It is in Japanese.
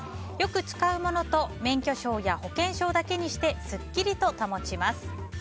よく使うものと免許証や保険証だけにしてスッキリと保ちます。